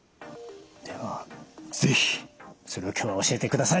では是非それを今日は教えてください。